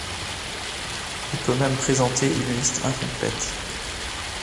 Il peut même présenter une liste incomplète.